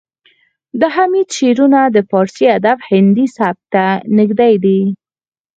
د حمید شعرونه د پارسي ادب هندي سبک ته نږدې دي